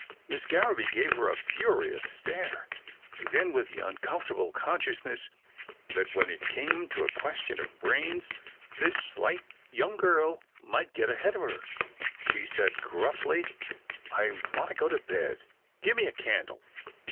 Miss Garraby gave her a furious stare, then, with the uncomfortable consciousness that, when it came to a question of brains, this slight young girl might get ahead of her, she said gruffly, I want to go to bed. Gimme a candle."